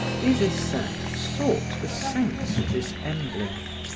Des Esseintes sought the sense of this emblem.